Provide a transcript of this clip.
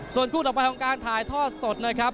ส่วนคู่ต่อไปของการถ่ายทอดสดนะครับ